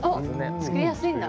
おっ！作りやすいんだ。